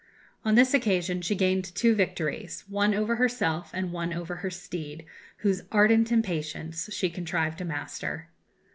On this occasion she gained two victories one over herself and one over her steed, whose ardent impatience she contrived to master.